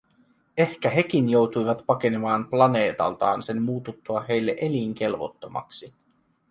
Ehkä hekin joutuivat pakenemaan planeetaltaan sen muututtua heille elinkelvottomaksi.